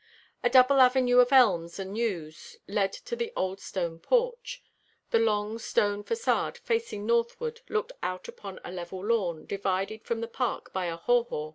A double avenue of elms and yews led to the old stone porch. The long stone façade facing northward looked out upon a level lawn divided from the park by a haw haw.